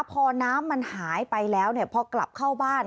พอน้ำมันหายไปแล้วพอกลับเข้าบ้าน